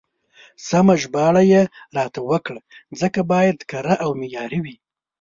سمه ژباړه يې راته وکړه، ځکه بايد کره او معياري وي.